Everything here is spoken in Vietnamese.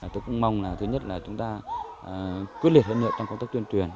tôi cũng mong là thứ nhất là chúng ta quyết liệt hơn nữa trong công tác tuyên truyền